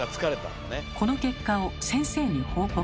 この結果を先生に報告。